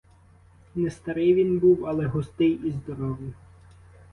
Не старий він був, але густий і здоровий.